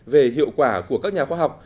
về hiệu quả của các nhà khoa học